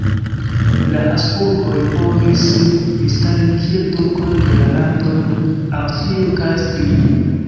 La Habsburgoj povis sin instali kiel dukoj de la landoj Aŭstrio kaj Stirio.